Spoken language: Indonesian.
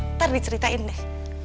ntar diceritain deh